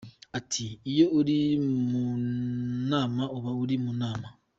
Ati “ Iyo uri mu nama uba uri mu nama.